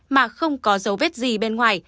mà không có dấu vết gì bên ngoài